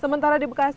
sementara di bekasi